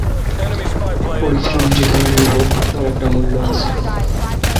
এটি প্রযোজনা ও পরিবেশনা করে ইমপ্রেস টেলিফিল্ম।